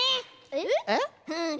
えっ？